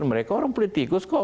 mereka orang politikus kok